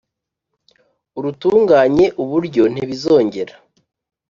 urutunganye uburyo ntibi zongera